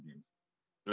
tuan tuan dan puan puan